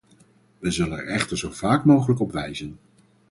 We zullen er echter zo vaak mogelijk op wijzen.